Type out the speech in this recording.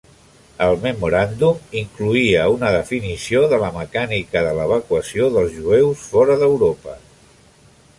El memoràndum incloïa una definició de la mecànica de l'evacuació dels jueus fora d'Europa.